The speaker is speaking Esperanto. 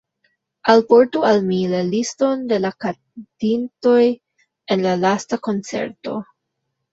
Alportu al mi la liston de la kantintoj en la lasta koncerto.